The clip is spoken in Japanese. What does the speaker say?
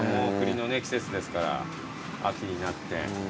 季節ですから秋になって。